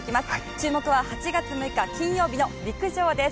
注目は８月６日、金曜日の陸上です。